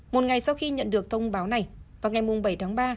một ngày sau khi nhận được thông báo này vào ngày bảy tháng ba